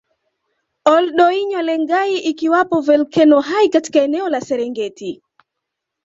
Ol Doinyo Lengai ikiwapo volkeno hai katika eneo la Serengeti